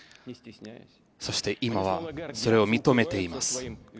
そして今はそれを認めています。